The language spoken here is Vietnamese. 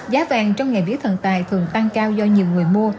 giá vàng trong ngày vía thần tài thường tăng cao do nhiều người mua